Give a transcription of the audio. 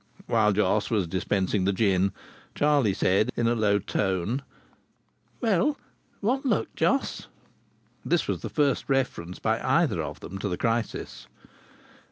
While Jos was dispensing the gin, Charlie said, in a low tone: "Well, what luck, Jos?" This was the first reference, by either of them, to the crisis.